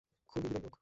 খুবই বিরল রোগ।